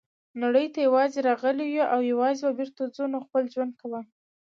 نړۍ ته یوازي راغلي یوو او یوازي به بیرته ځو نو خپل ژوند کوه.